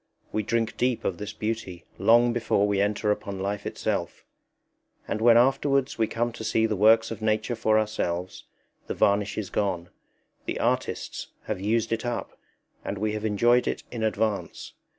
We drink deep of this beauty long before we enter upon life itself; and when afterwards we come to see the works of Nature for ourselves, the varnish is gone: the artists have used it up and we have enjoyed it in advance.